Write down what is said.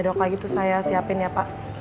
ya dong kak gitu saya siapin ya pak